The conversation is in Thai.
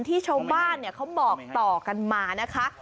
ที่ชาวบ้านเขาบอกต่อกันมานะคะ